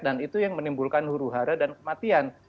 dan itu yang menimbulkan huru hara dan kematian